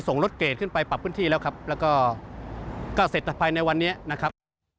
ส่งรถเกรดขึ้นไปปรับพื้นที่แล้วครับแล้วก็ก็เสร็จภายในวันนี้นะครับ